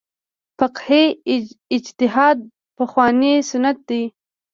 فقهي اجتهاد پخوانی سنت دی.